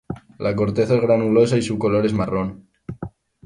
La corteza es granulosa y su color es marrón.